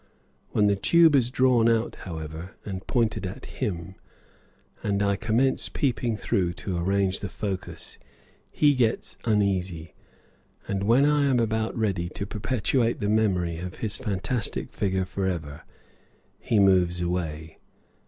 When the tube is drawn out, however, and pointed at him, and I commence peeping through to arrange the focus, he gets uneasy, and when I am about ready to perpetuate the memory of his fantastic figure forever, he moves away.